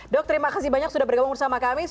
dok terima kasih banyak sudah bergabung bersama kami